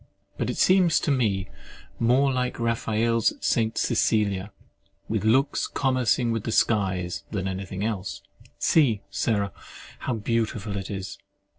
But it seems to me more like Raphael's St. Cecilia, "with looks commercing with the skies," than anything else.—See, Sarah, how beautiful it is!